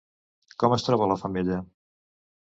Com es troba la femella?